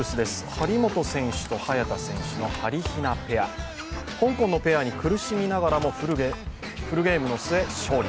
張本智和と早田ひなのはりひなペアは香港のペアに苦しみながらも、フルゲームで勝利。